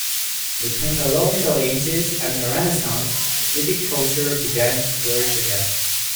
Between the Low Middle Ages and the Renaissance, viticulture began to flourish again.